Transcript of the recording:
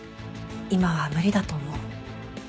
今は無理だと思う。